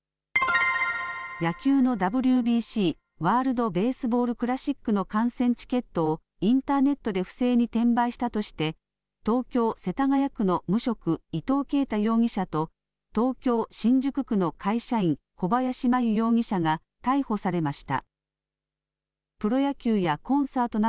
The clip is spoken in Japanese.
一連の汚職事件では合わせて１５人が起訴され判決が言い渡されたのは野球のＷＢＣワールド・ベースボール・クラシックの観戦チケットをインターネットで不正に転売したとして東京、世田谷区の無職伊藤啓太容疑者と東京、新宿区の会社員小林真優容疑者が逮捕されました。